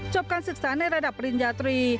การศึกษาในระดับปริญญาตรี